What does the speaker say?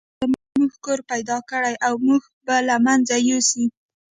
سلای فاکس زموږ کور پیدا کړی او موږ به له منځه یوسي